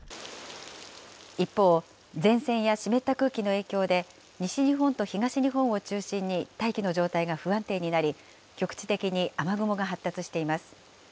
一方、前線や湿った空気の影響で西日本と東日本を中心に大気の状態が不安定になり、局地的に雨雲が発達しています。